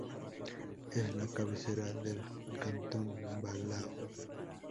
Es la cabecera del cantón Balao.